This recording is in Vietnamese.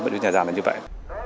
đến với nhà giàn là như vậy